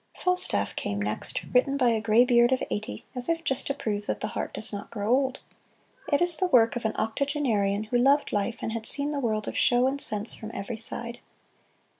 "Falstaff" came next, written by a graybeard of eighty as if just to prove that the heart does not grow old. It is the work of an octogenarian who loved life and had seen the world of show and sense from every side.